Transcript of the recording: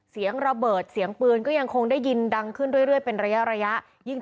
เสียงระเบิดเสียงปืนก็ยังคงได้ยินดังขึ้นเรื่อยเป็นระยะ